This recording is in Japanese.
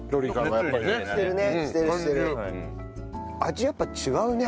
味やっぱ違うね。